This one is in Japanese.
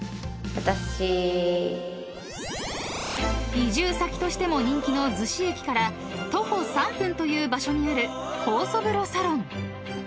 ［移住先としても人気の逗子駅から徒歩３分という場所にある酵素風呂サロン］